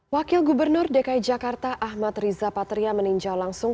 wakil gubernur dki jakarta ahmad riza patria meninjau langsung